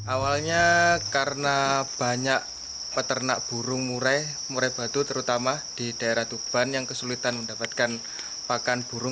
awalnya karena banyak peternak burung murai murai batu terutama di daerah tuban yang kesulitan mendapatkan pakan burung